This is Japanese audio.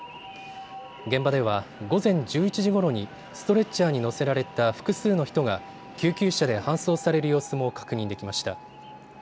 現場では、午前１１時ごろにストレッチャーに乗せられた複数の人が救急車で搬送される様子も確認できました。